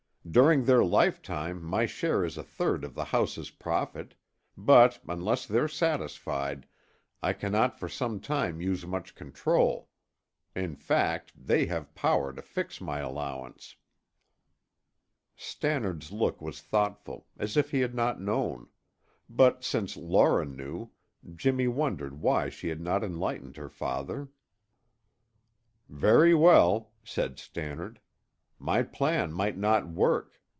During their lifetime my share is a third of the house's profit, but, unless they're satisfied, I cannot for some time use much control. In fact, they have power to fix my allowance." Stannard's look was thoughtful, as if he had not known; but since Laura knew, Jimmy wondered why she had not enlightened her father. "Very well," said Stannard. "My plan might not work.